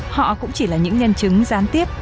họ cũng chỉ là những nhân chứng gián tiếp